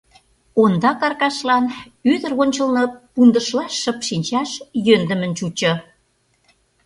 Ондак Аркашлан ӱдыр ончылно пундышла шып шинчаш йӧндымын чучо.